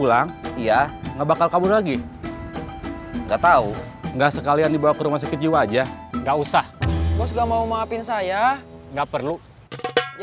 coba jalan jalan kedeket alun alun